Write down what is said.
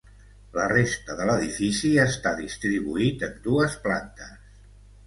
La resta de l'edifici està distribuït en dues plantes.